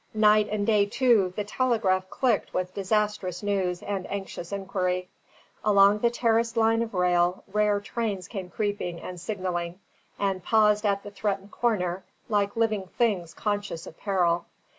Night and day, too, the telegraph clicked with disastrous news and anxious inquiry. Along the terraced line of rail, rare trains came creeping and signalling; and paused at the threatened corner, like living things conscious of peril.